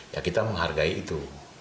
ya kita menghargai itu